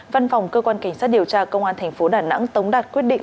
văn phòng cơ quan cảnh sát điều tra công an tp đà nẵng tống đạt quyết định